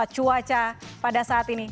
cuaca pada saat ini